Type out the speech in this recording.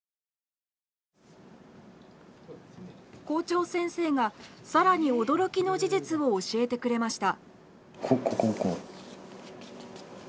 校長先生が更に驚きの事実を教えてくれました。